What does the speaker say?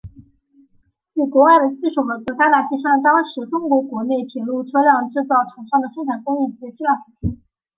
与国外的技术合作大大提升了当时中国国内铁路车辆制造厂商的生产工艺及质量水平。